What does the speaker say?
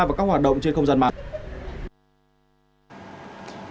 vào các hoạt động trên không gian mạng